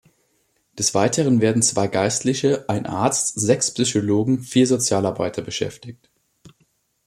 Des Weiteren werden zwei Geistliche, ein Arzt, sechs Psychologen, vier Sozialarbeiter beschäftigt.